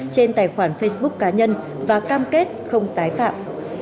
trên tài khoản facebook cá nhân và cam kết không tái phạm